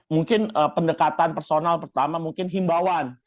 mungkin pendekatan personal pertama mungkin himbauan